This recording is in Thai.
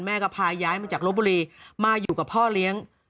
แม่ก็พาย้ายมาจากลบบุรีมาอยู่กับพ่อเลี้ยง